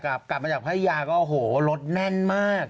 ผมกลับมาจากพระเภญก็รถแน่นมาก